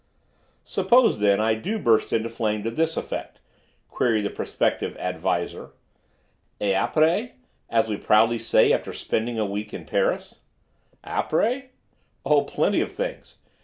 "Suppose, then, I do burst into flame to this effect?" queried the prospective "Ad Visor." "Et aprés? as we proudly say after spending a week in Paris." "Aprés? Oh, plenty of things.